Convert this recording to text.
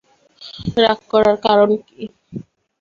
রাগ করার কারণ কী?